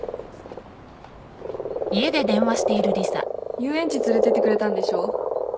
遊園地連れてってくれたんでしょ？